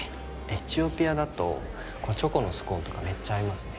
エチオピアだとこのチョコのスコーンとかめっちゃ合いますね・